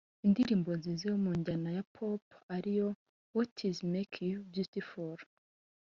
Indirimbo nziza yo munjyana ya Pop ariyo “What’s Make You Beautful”